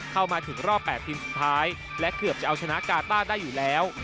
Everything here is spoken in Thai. เข้ามาถึงรอบ๘ทีมสุดท้ายและเกือบจะเอาชนะกาต้าได้อยู่แล้ว